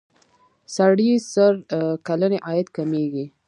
سړي سر کلنی عاید کمیږي.